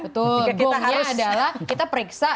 bunganya adalah kita periksa